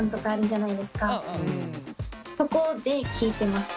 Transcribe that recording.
そこで聴いてます。